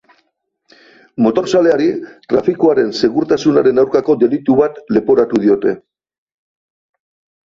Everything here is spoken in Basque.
Motorzaleari trafikoaren segurtasunaren aurkako delitu bat leporatu diote.